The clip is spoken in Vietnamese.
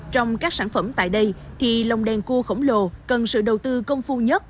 trong các sản phẩm tại đây thì lồng đèn cua khổng lồ cần sự đầu tư công phu nhất